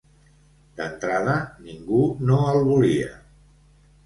D'entrada, ningú no el volia.